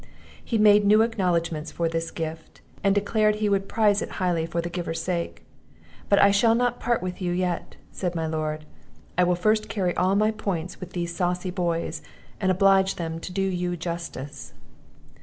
He made new acknowledgments for this gift, and declared he would prize it highly for the giver's sake. "But I shall not part with you yet," said my lord; "I will first carry all my points with these saucy boys, and oblige them to do you justice."